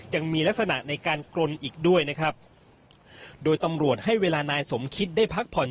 ยังมีลักษณะในการกรนอีกด้วยนะครับโดยตำรวจให้เวลานายสมคิดได้พักผ่อน